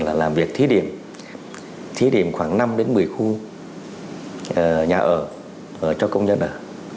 là làm việc thí điểm khoảng năm đến một mươi khu nhà ở cho công dân ở